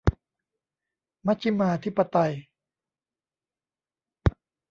มัชฌิมาธิปไตย